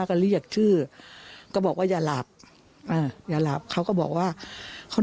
ก็เรียกชื่อก็บอกว่าอย่าหลับอ่าอย่าหลับเขาก็บอกว่าเขา